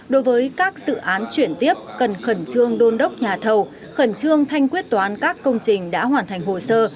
đối với các dự án chuyển tiếp cần khẩn trương đôn đốc nhà thầu khẩn trương thanh quyết toán các công trình đã hoàn thành hồ sơ